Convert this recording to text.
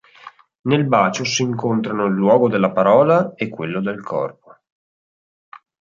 Nel bacio si incontrano il luogo della parola e quello del corpo.